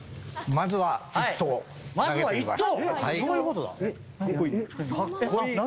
まずは１投？